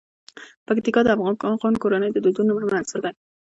پکتیکا د افغان کورنیو د دودونو مهم عنصر دی.